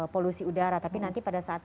polusi udara tapi nanti pada saat